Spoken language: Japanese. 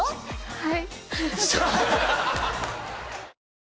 はい。